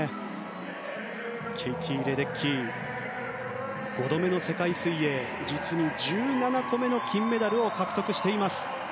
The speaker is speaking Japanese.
ケイティ・レデッキー５度目の世界水泳実に１７個目の金メダルを獲得しています。